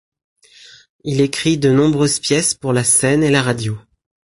Il écrit de nombreuses pièces pour la scène et la radio.